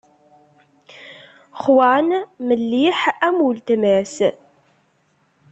Joan melliḥ am uletma-s.